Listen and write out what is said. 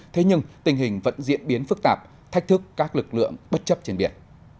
thế nhưng tình hình vẫn diễn biến phức tạp thách thức các lực lượng bất chấp trên biển